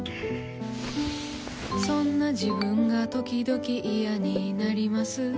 そんな自分がときどき嫌になります。